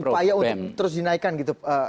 itu upaya untuk terus dinaikkan gitu pak